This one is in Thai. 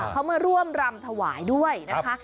เขามาร่วมรำถวายด้วยนะคะ